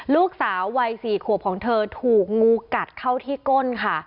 ลูกสาววัย๔ขวบของเธอถูกงูกัดเข้าที่ก้นค่ะ